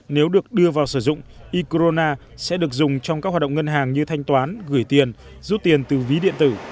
nếu được đưa vào sử dụng e krona sẽ được dùng trong các hoạt động ngân hàng như thanh toán gửi tiền rút tiền từ ví điện tử